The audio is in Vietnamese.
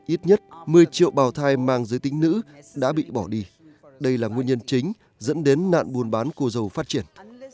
ít nhất một mươi triệu bào thai mang giới tính nữ đã bị bỏ đi đây là nguyên nhân chính dẫn đến nạn buôn bán cô dâu phát triển